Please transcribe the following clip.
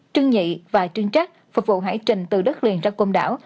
trưng nhị và trưng trác phục vụ hải trình từ đất liền ra công đảo